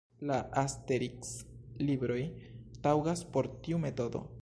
La Asteriks-libroj taŭgas por tiu metodo.